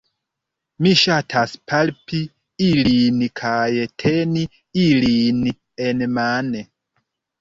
Mi ŝatas palpi ilin kaj teni ilin enmane